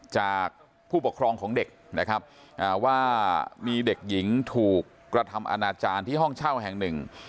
จากผู้ปกครองของเด็กนะครับว่ามีเด็กหญิงถูกกระทำอนาจารย์ที่ห้องเช่าแห่งหนึ่ง